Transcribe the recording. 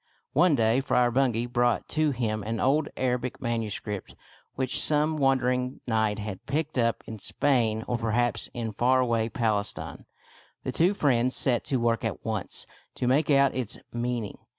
One day Friar Bungay brought to him an old Arabic manuscript which some wandering knight had picked up in Spain or perhaps in far away Palestine. The two friends set to work at once to make out its mean ing.